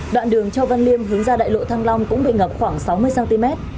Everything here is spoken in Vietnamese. đoạn đường châu văn liêm hướng ra đại lộ thăng long cũng bị ngập khoảng sáu mươi cm